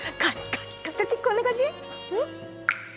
こんな感じ？